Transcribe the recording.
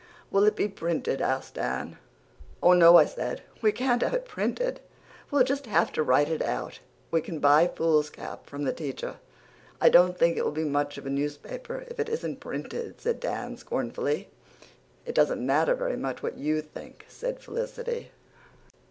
"Will it be printed?" asked Dan. "Oh, no," I said. "We can't have it printed. We'll just have to write it out we can buy foolscap from the teacher." "I don't think it will be much of a newspaper if it isn't printed," said Dan scornfully. "It doesn't matter very much what YOU think," said Felicity.